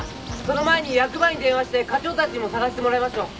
その前に役場に電話して課長たちにも捜してもらいましょう。